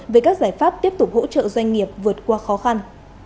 về các giải pháp tiếp tục hỗ trợ doanh nghiệp vượt qua khó khăn